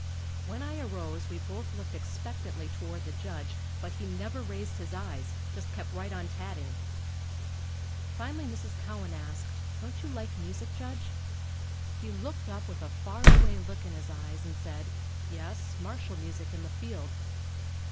When I arose we both looked expectantly toward the Judge, but he never raised his eyes just kept right on tatting. Finally Mrs. Cowan asked, "Don't you like music, Judge?" He looked up with a far away look in his eyes and said, "Yes, martial music in the field."